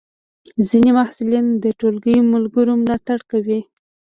ځینې محصلین د ټولګی ملګرو ملاتړ کوي.